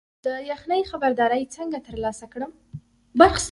د یخنۍ خبرداری څنګه ترلاسه کړم؟